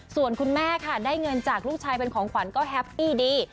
ส่วนคุณแม่ค่ะได้เงินจากลูกชายเป็นของขวัญก็แฮปปี้ดี